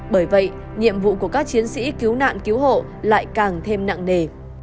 bởi vậy nhiệm vụ của các chiến sĩ cứu nạn cứu hộ lại càng thêm nặng nề